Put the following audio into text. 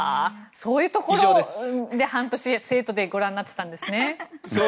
そういうところで半年成都でご覧になっていたんですね。